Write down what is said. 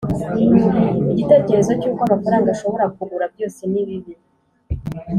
igitekerezo cy'uko amafaranga ashobora kugura byose ni bibi